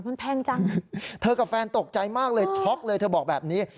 มันแพงจังเธอกับแฟนตกใจมากเลยช็อกเลยเธอบอกแบบนี้